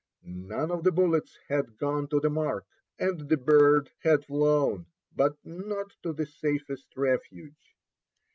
None of the bullets had gone to the mark, and the bird had flown — but not to the safest refuge.